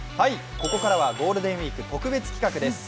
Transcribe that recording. ここからはゴールデンウイーク特別企画です。